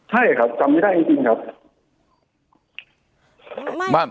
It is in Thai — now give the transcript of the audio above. ใช่ครับจำไม่ได้จริงครับ